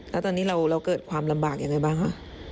แล้วตอนนี้เราเกิดความลำบากยังไงบ้างคะ